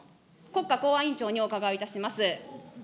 国家公安委員長にお伺いいたします。